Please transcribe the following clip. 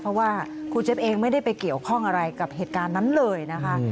เพราะว่าครูเจี๊บเองไม่ได้ไปเกี่ยวข้องอะไรกับเหตุการณ์นั้นเลยนะคะ